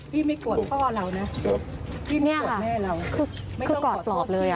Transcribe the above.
ตอนเนี้ยโหนทำใจอย่างเงียบทำใจรักษ์ความแตกอย่างเดียว